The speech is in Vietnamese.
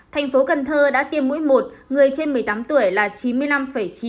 thành phố cần thơ đã tiêm mũi một người trên một mươi tám tuổi là chín mươi năm chín đủ hai mũi là ba mươi bảy bảy